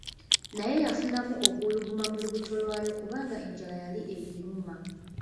Naye yafunamu okuwuluguma mu lubuto lwayo kubanga enjala yali egiruma.